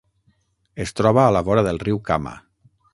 Es troba a la vora del riu Kama.